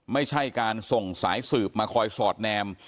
ไม่ใช่การส่งสายสืบมาคอยสอดแนม